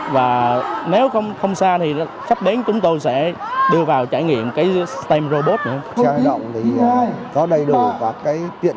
và nếu không xa thì sắp đến chúng tôi sẽ đưa vào trải nghiệm cái stem robot nữa